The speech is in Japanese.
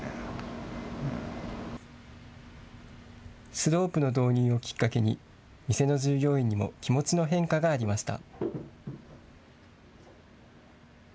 スロープの導入をきっかけに店の従業員にも気持ちの変化がありました。